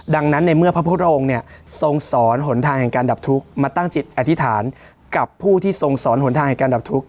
ดังนั้นในเมื่อพระพุทธองค์เนี่ยทรงสอนหนทางแห่งการดับทุกข์มาตั้งจิตอธิษฐานกับผู้ที่ทรงสอนหนทางแห่งการดับทุกข์